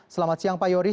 selamat siang pak yoris